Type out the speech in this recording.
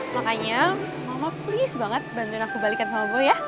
makanya mama please banget bantuin aku balikan sama gue ya